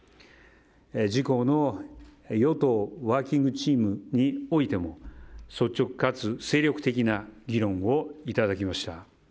自公の与党ワーキングチームにおいても率直かつ精力的な議論をいただきました。